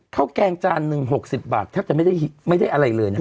แกงจานหนึ่ง๖๐บาทแทบจะไม่ได้อะไรเลยนะ